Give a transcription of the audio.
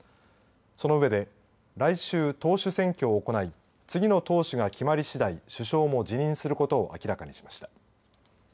その上で来週、党首選挙を行い次の党首が決まりしだい首相も辞任することを明らかにしました。